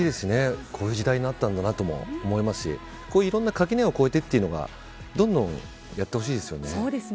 こういう時代になったんだなとも思いますしこういういろんな垣根を越えてというのがどんどんやってほしいですよね。